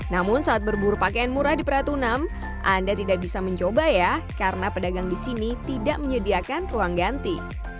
namun saat berburu pakaian murah di pratunam anda tidak bisa mencoba ya karena pedagang di sini tidak menyediakan ruang ganti